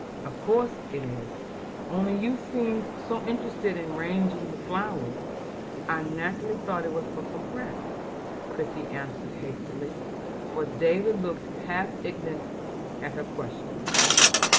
"Of course it is; only you seemed so interested in arranging the flowers, I naturally thought it was for some friend," Christie answered hastily, for David looked half indignant at her question.